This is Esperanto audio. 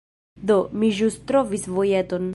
Do, mi ĵus trovis vojeton